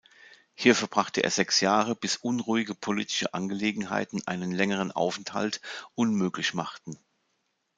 Hier verbrachte er sechs Jahre, bis unruhige politische Angelegenheiten einen längeren Aufenthalt unmöglich machten.